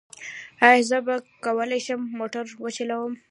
ایا زه به وکولی شم موټر وچلوم؟